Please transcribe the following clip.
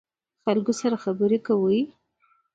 خلکو سره خبرې کوئ؟